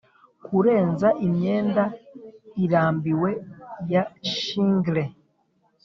kurenza imyanda irambiwe ya shingle;